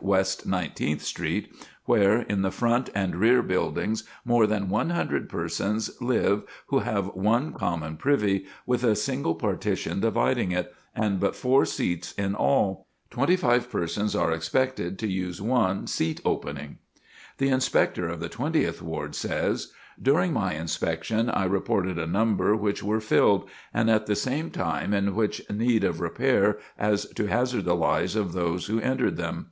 West Nineteenth Street, where in the front and rear buildings more than one hundred persons live who have one common privy, with a single partition dividing it, and but four seats in all. Twenty five persons are expected to use one seat opening." The Inspector of the Twentieth Ward says: "During my inspection I reported a number which were filled, and at the same time in such need of repair as to hazard the lives of those who entered them.